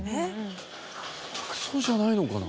服装じゃないのかな？